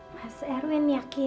mas erwin yakin